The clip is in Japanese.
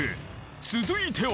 続いては］